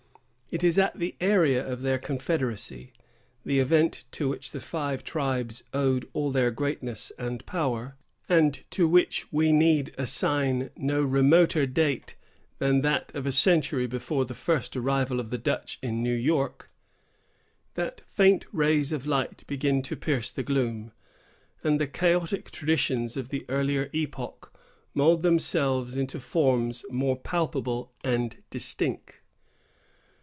It is at the era of their confederacy——the event to which the five tribes owed all their greatness and power, and to which we need assign no remoter date than that of a century before the first arrival of the Dutch in New York——that faint rays of light begin to pierce the gloom, and the chaotic traditions of the earlier epoch mould themselves into forms more palpable and distinct.